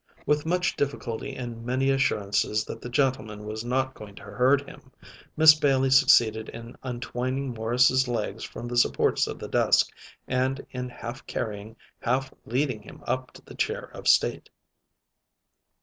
With much difficulty and many assurances that the gentleman was not going to hurt him, Miss Bailey succeeded in untwining Morris's legs from the supports of the desk and in half carrying, half leading him up to the chair of state.